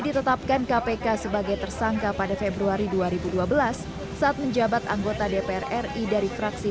ditetapkan kpk sebagai tersangka pada februari dua ribu dua belas saat menjabat anggota dpr ri dari fraksi